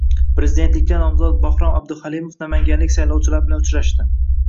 Prezidentlikka nomzod Bahrom Abduhalimov namanganlik saylovchilar bilan uchrashdi